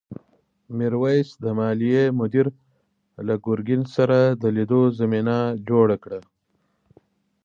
میرويس د مالیې مدیر له ګرګین سره د لیدو زمینه جوړه کړه.